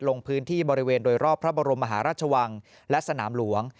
ลงพื้นที่บริเวณโดยรอบพระบรมมหาราชวังและสนามหลวง